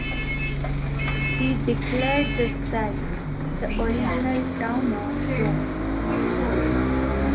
He declared this site the original town of Rome.